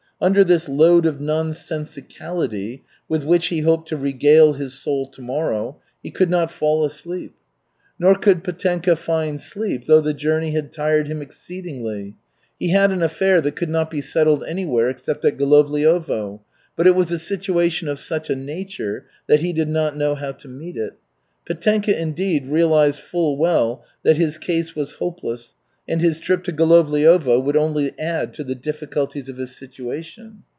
Under this load of nonsensicality, with which he hoped to regale his soul tomorrow, he could not fall asleep. Nor could Petenka find sleep, though the journey had tired him exceedingly. He had an affair that could not be settled anywhere except at Golovliovo, but it was a situation of such a nature that he did not know how to meet it. Petenka, indeed, realized full well that his case was hopeless and his trip to Golovliovo would only add to the difficulties of his situation.